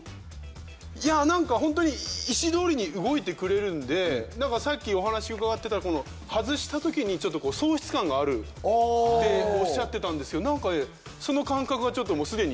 いや何かホントに意思通りに動いてくれるので何かさっきお話伺ってたらこの外した時にちょっと喪失感があるっておっしゃってたんですけど何かその感覚が既に。